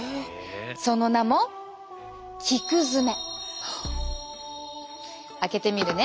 その名も開けてみるね。